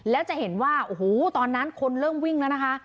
แล้วจะเห็นว่าโอ้โหตอนนั้นคนเริ่มวิ่งแล้วนะคะ